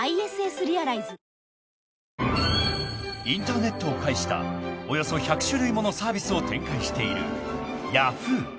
［インターネットを介したおよそ１００種類ものサービスを展開しているヤフー］